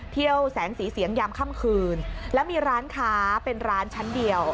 แสงสีเสียงยามค่ำคืนแล้วมีร้านค้าเป็นร้านชั้นเดียว